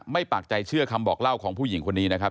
ปากใจเชื่อคำบอกเล่าของผู้หญิงคนนี้นะครับ